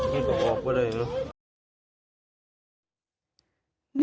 เนี่ยก็ออกปะเลยเนอะ